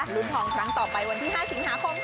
ลุ้นทองครั้งต่อไปวันที่๕สิงหาคม